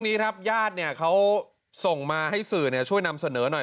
นี้ครับญาติเนี่ยเขาส่งมาให้สื่อช่วยนำเสนอหน่อย